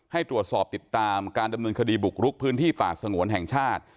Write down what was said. ให้ตรวจสอบติดตามการดำเนินคดีบุกรุกพื้นที่ป่าสงวนแห่งชาติ